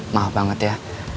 maaf banget ya